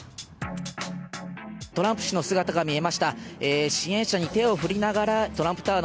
トランプ氏の姿が見えました。